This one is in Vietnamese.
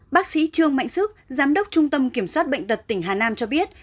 bác sĩ trương mạnh sức giám đốc trung tâm kiểm soát bệnh tật tỉnh hà nam cho biết